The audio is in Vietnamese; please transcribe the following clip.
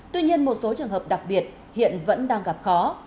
tuy nhiên một số trường hợp đặc biệt hiện vẫn đang gặp khó